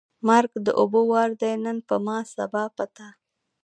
مرګ د اوبو وار دی نن په ما ، سبا په تا.